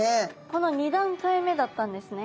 この２段階目だったんですね。